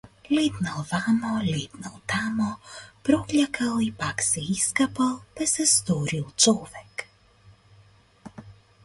Летнал вамо, летнал тамо, прокљакал и пак се искапал, па се сторил човек.